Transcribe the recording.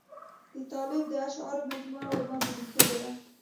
د طالب د اشعارو مجموعه ورباندې لیکلې وه.